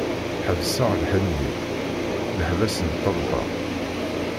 Ḥebseɣ lḥenni, leḥbas n ṭṭelba.